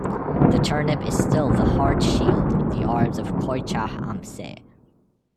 The turnip is still the heart shield in the arms of Keutschach am See.